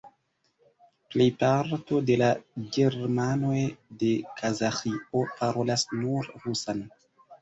Plejparto de la germanoj de Kazaĥio parolas nur rusan.